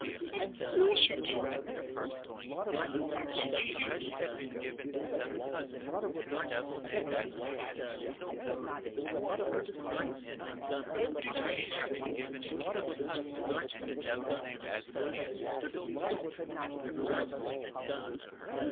"Of course you do," said Dr. Hitz. "That's only human." "I don't want my grandfather to die, either," said Wehling. "Nobody's really happy about taking a close relative to the Catbox," said Dr. Hitz gently, sympathetically.